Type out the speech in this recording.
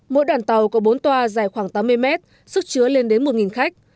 mỗi đoàn tàu có bốn toa dài khoảng tám mươi mét sức chứa lên đến một khách